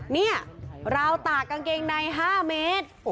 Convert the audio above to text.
นี่ราวตากกางเกงใน๕เมตร